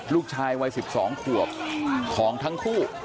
ลูกชายวัย๑๒ขวบของทั้งคู่